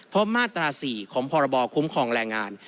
เพราะมาตรสี่ของพบคุ้มครองแรงงาน